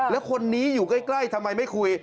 แล้วคนนี้อยู่ใกล้ทำไมไม่คุย